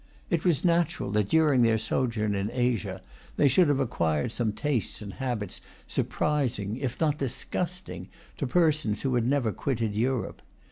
It was natural that, during their sojourn in Asia, they should have acquired some tastes and habits surprising, if not disgusting, to persons who never had quitted Europe.